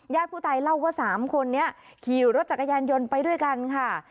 ผู้ตายเล่าว่า๓คนนี้ขี่รถจักรยานยนต์ไปด้วยกันค่ะ